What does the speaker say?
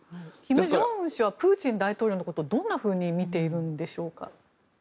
金正恩さんはプーチン大統領をどんなふうに見ているんでしょうか。